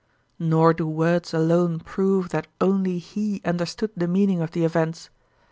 Nor do words alone prove that only he understood the meaning of the events.